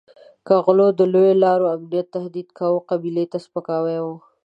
که غلو د لویو لارو امنیت تهدید کاوه قبیلې ته سپکاوی وو.